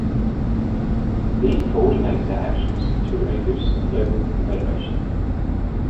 These co-ordinate their actions through a loose global confederation.